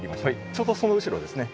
ちょうどその後ろですね。